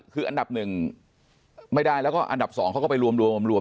คืออันดับหนึ่งไม่ได้แล้วก็อันดับ๒เขาก็ไปรวมรวม